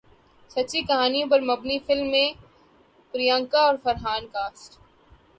سچی کہانی پر مبنی فلم میں پریانکا اور فرحان کاسٹ